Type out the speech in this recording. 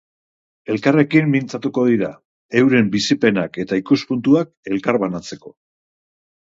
Elkarrekin mintzatuko dira, euren bizipenak eta ikuspuntuak elkarbanatzeko.